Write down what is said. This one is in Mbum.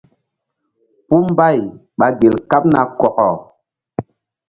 Puh mbay ɓa gel kaɓ na kɔkɔ.